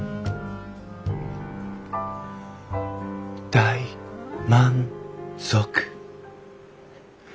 大満足。